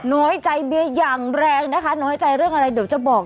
น้อยใจเบียร์อย่างแรงนะคะน้อยใจเรื่องอะไรเดี๋ยวจะบอก